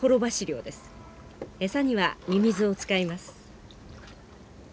餌にはミミズを使います。